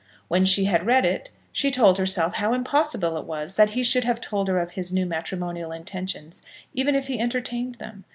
When she had read it, she told herself how impossible it was that he should have told her of his new matrimonial intentions, even if he entertained them.